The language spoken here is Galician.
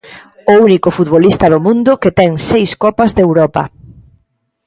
O único futbolista do mundo que ten seis copas de Europa.